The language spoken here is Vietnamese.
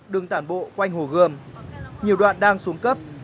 đường tản bộ quanh hồ gươm nhiều đoạn đang xuống cấp